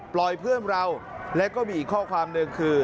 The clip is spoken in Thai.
เพื่อนเราและก็มีอีกข้อความหนึ่งคือ